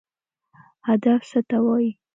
هدف څه ته وایي؟